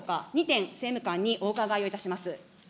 ２点、政務官にお伺いをいたします。